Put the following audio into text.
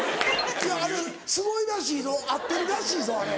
いやあれすごいらしいぞ合ってるらしいぞあれ。